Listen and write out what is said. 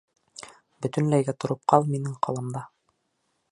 — Бөтөнләйгә тороп ҡал минең ҡаламда.